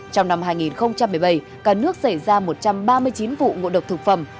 trong năm hai nghìn một mươi bảy cả nước xảy ra một trăm ba mươi chín vụ ngộ độc thực phẩm